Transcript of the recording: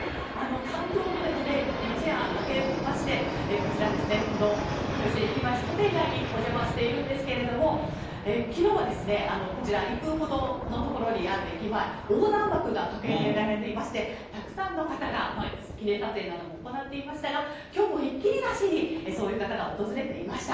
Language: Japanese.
感動の一夜が明けまして、こちらですね、この日吉駅前商店街にお邪魔しているんですけれども、きのうはこちら、１分ほどのところにある駅前、横断幕が掲げられていまして、たくさんの方が記念撮影なども行っていましたが、きょうもひっきりなしにそういう方が訪れていました。